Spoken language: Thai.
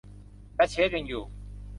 และเชฟยังอยู่